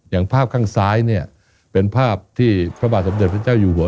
อย่างภาพข้างซ้ายเนี่ยเป็นภาพที่พระบาทสมเด็จพระเจ้าอยู่หัว